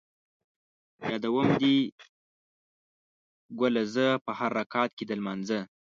یادوم دې ګله زه ـ په هر رکعت کې د لمانځه